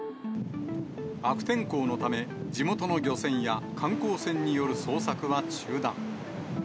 悪天候のため、地元の漁船や観光船による捜索は中断。